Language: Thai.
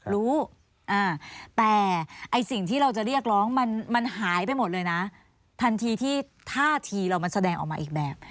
รู้แต่ไอ้สิ่งที่เราจะเรียกร้องมันหายไปหมดเลยนะทันทีที่ท่าทีเรามันแสดงออกมาอีกแบบ